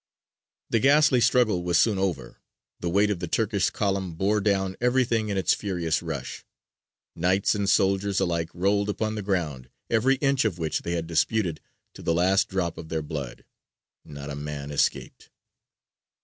The ghastly struggle was soon over: the weight of the Turkish column bore down everything in its furious rush. Knights and soldiers alike rolled upon the ground, every inch of which they had disputed to the last drop of their blood. Not a man escaped.